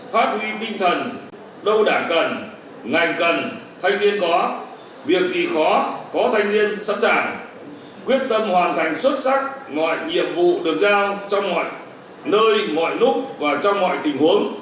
phát huy tinh thần đâu đảng cần ngành cần thanh niên có việc gì khó có thanh niên sẵn sàng quyết tâm hoàn thành xuất sắc mọi nhiệm vụ được giao trong mọi nơi mọi lúc và trong mọi tình huống